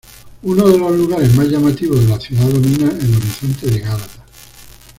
Uno de los lugares más llamativos de la ciudad, domina el horizonte de Gálata.